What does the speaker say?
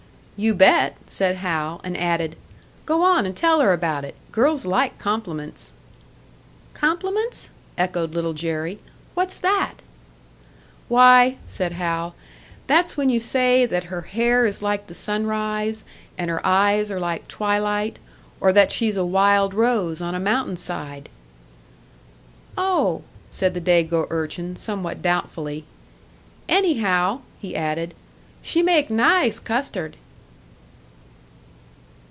"You bet," said Hal, and added, "Go on and tell her about it. Girls like compliments." "Compliments?" echoed Little Jerry. "What's that?" "Why," said Hal, "that's when you say that her hair is like the sunrise, and her eyes are like twilight, or that she's a wild rose on a mountain side." "Oh," said the Dago urchin, somewhat doubtfully. "Anyhow," he added, "she make nice custard!"